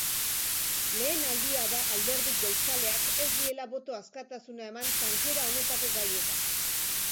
Lehen aldia da alderdi jeltzaleak ez diela boto askatasuna eman tankera honetako gaietan.